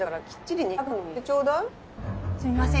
すみません。